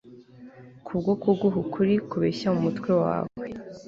kubwo kuguha ukuri kubeshya mumutwe wawe